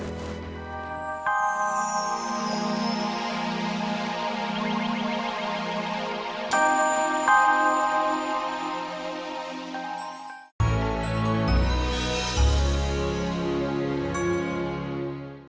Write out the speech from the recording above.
di video selanjutnya